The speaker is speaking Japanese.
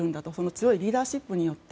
強いリーダーシップによって。